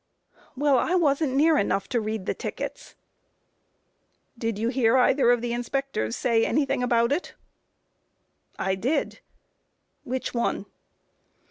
A. Well, I wasn't near enough to read the tickets. Q. Did you hear either of the inspectors say anything about it? A. I did. Q. Which one?